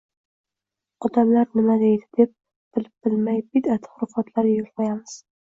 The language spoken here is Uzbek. “Odamlar nima deydi?” deb, bilib-bilmay bidʼat-xurofotlarga qo‘l uramiz